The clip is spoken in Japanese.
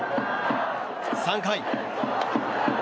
３回。